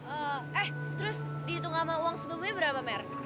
eh terus dihitung sama uang sebelumnya berapa mer